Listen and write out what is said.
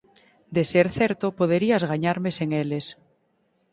De ser certo, poderías gañarme sen eles.